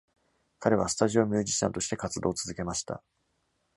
彼は、スタジオミュージシャンとして活動を続けました。